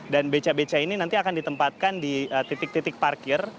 dan beca beca ini nanti akan ditempatkan di titik titik parkir